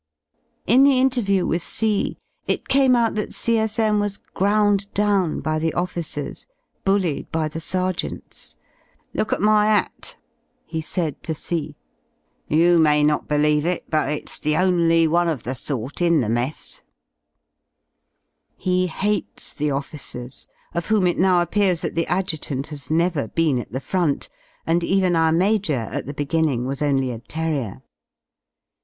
In the interview with C it came out that C.S.M. was ground down by the officers, bullied by the sergeants. ''Look at my *at,^^ he said to C , "roK may not believe it, but it's the only one of the sort ih the mess^ He hates the officers, of whom it now appears that the Adjutant has never been at the Front, and even our Major at the beginning was only a Terrier.